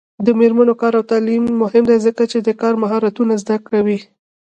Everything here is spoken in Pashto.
د میرمنو کار او تعلیم مهم دی ځکه چې کار مهارتونو زدکړه کوي.